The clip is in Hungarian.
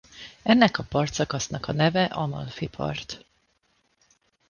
Ennek a partszakasznak a neve Amalfi-part.